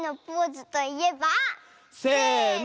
せの。